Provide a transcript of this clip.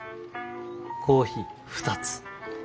コーヒー２つ。